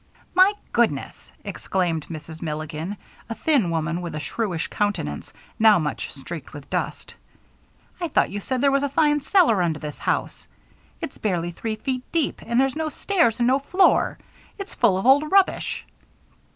"My goodness!" exclaimed Mrs. Milligan, a thin woman with a shrewish countenance now much streaked with dust. "I thought you said there was a fine cellar under this house? It's barely three feet deep, and there's no stairs and no floor. It's full of old rubbish."